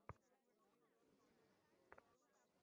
প্রথমে এসেই চোখে পড়ল অমিতর উপর ঘন এক পোঁচ গ্রাম্য রঙ।